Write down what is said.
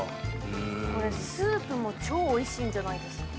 これスープも超おいしいんじゃないですか。